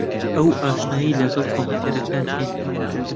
ئەو ئاشنایی لەگەڵ کۆمپیوتەرەکان ھەیە.